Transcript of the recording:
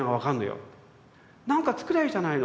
何か作ればいいじゃないの。